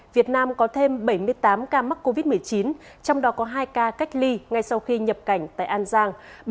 việt nam có thêm bảy mươi tám ca mắc covid một mươi chín trong đó có hai ca cách ly ngay sau khi nhập cảnh tại an giang